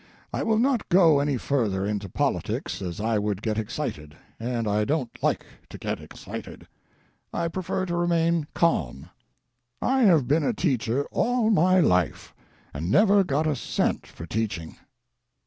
I will not go any further into politics as I would get excited, and I don't like to get excited. I prefer to remain calm. I have been a teacher all my life, and never got a cent for teaching."